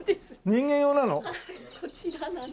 人間用なの？